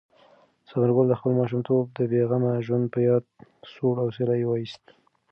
ثمر ګل د خپل ماشومتوب د بې غمه ژوند په یاد سوړ اسویلی وایست.